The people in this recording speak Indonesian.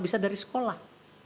bisa dari sekolah